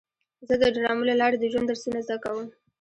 زه د ډرامو له لارې د ژوند درسونه زده کوم.